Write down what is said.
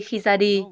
khi ra đi